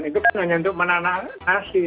itu kan hanya untuk menanam nasi